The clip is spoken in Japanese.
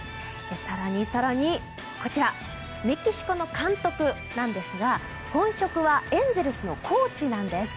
更に更にメキシコの監督なんですが本職はエンゼルスのコーチなんです。